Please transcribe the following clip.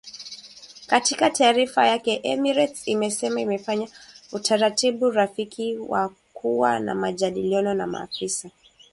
Katika taarifa yake Emirates imesema imefanya utaratibu rafiki wa kuwa na majadiliano na maafisa